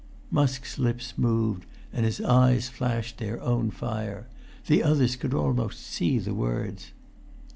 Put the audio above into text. Musk's lips moved, and his eyes flashed their own fire; the others could almost see the words.